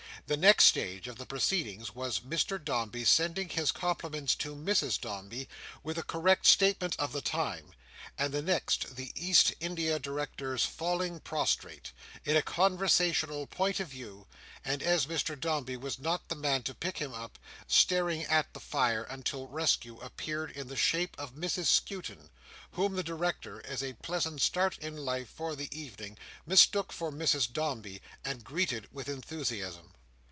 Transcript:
The next stage of the proceedings was Mr Dombey's sending his compliments to Mrs Dombey, with a correct statement of the time; and the next, the East India Director's falling prostrate, in a conversational point of view, and as Mr Dombey was not the man to pick him up, staring at the fire until rescue appeared in the shape of Mrs Skewton; whom the director, as a pleasant start in life for the evening, mistook for Mrs Dombey, and greeted with enthusiasm.